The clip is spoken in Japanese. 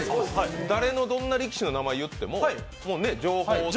誰のどんな力士の名前を言っても情報と。